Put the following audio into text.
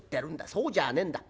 そうじゃあねえんだ。